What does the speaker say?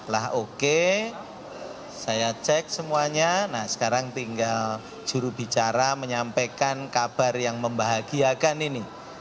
lah oke saya cek semuanya nah sekarang tinggal jurubicara menyampaikan kabar yang membahagiakan ini